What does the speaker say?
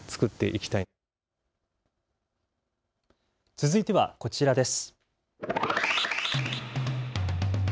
続いてはこちらです。